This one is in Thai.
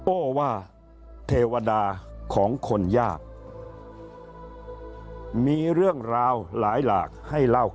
โอ้ว่าเทวดาของคนยากมีเรื่องราวหลายหลากให้เล่า